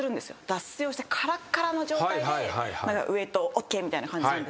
脱水をしてカラカラの状態でウエイトＯＫみたいな感じなんですけど。